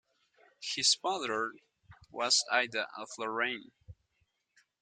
His mother was Ida of Lorraine.